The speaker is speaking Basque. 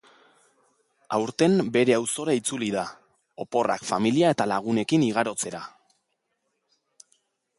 Aurten bere auzora itzuli da, oporrak familia eta lagunekin igarotzera.